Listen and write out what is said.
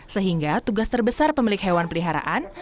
sehingga tugas terbesar pemilik hewan peliharaan